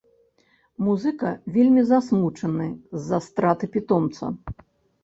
Музыка вельмі засмучаны з-за страты пітомца.